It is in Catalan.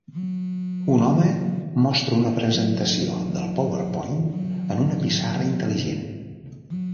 Un home mostra una presentació del PowerPoint en una pissarra intel·ligent.